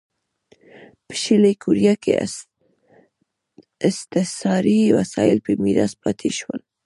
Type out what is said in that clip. په شلي کوریا کې استثاري وسایل په میراث پاتې شول.